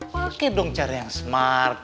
pakai dong cara yang smart